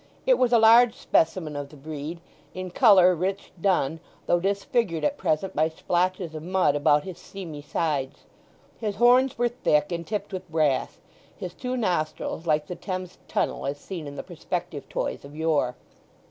It was a large specimen of the breed, in colour rich dun, though disfigured at present by splotches of mud about his seamy sides. His horns were thick and tipped with brass; his two nostrils like the Thames Tunnel as seen in the perspective toys of yore.